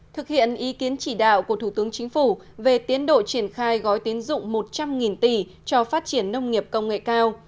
thực hiện ý kiến chỉ đạo của thủ tướng chính phủ về tiến độ triển khai gói tiến dụng một trăm linh tỷ cho phát triển nông nghiệp công nghệ cao